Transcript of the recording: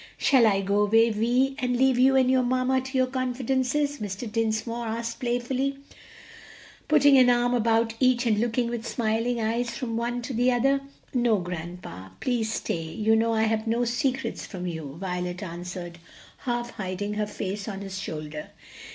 "Shall I go away, Vi, and leave you and your mamma to your confidences?" Mr. Dinsmore asked playfully, putting an arm about each and looking with smiling eyes from one to the other. "No, grandpa, please stay; you know I have no secrets from you," Violet answered, half hiding her face on his shoulder.